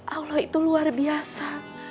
allah itu luar biasa